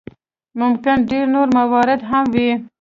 ممکن ډېر نور موارد هم وي.